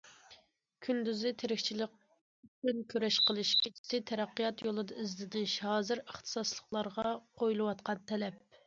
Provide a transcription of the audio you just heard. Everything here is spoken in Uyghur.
كۈندۈزى تىرىكچىلىك ئۈچۈن كۈرەش قىلىش، كېچىسى تەرەققىيات يولىدا ئىزدىنىش ھازىر ئىختىساسلىقلارغا قويۇلۇۋاتقان تەلەپ.